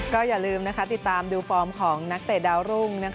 ก็อย่าลืมติดตามดูฟอร์มของนักเตะดาวรุ่ง